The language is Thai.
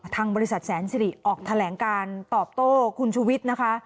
ทางบริษัทแสนสิริออกแถลงการตอบโต้คุณชุวิตนะคะ